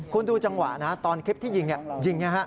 คุณดูจังหวะนะฮะตอนคลิปที่ยิงเนี่ยยิงนะฮะ